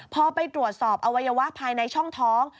พอไปตรวจสอบอวัยวะภายในช่องท้อง